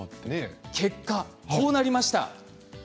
結果こうなりました。